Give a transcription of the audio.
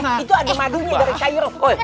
eh itu ada madunya dari kayu